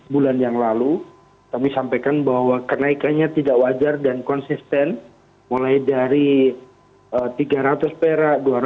bulan yang lalu kami sampaikan bahwa kenaikannya tidak wajar dan konsisten mulai dari tiga ratus perak dua ratus